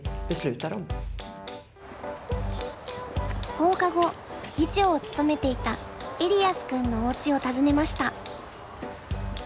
放課後議長を務めていたエリアス君のおうちを訪ねました。